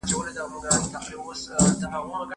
صداقت د خوشحالۍ اساس دی.